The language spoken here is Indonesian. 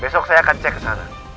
besok saya akan cek ke sana